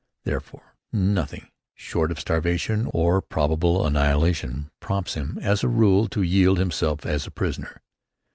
Therefore, nothing short of starvation or probable annihilation prompts him, as a rule, to yield himself a prisoner.